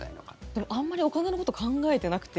でも、あんまりお金のこと考えてなくて。